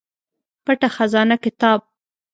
پټه خزانه کتاب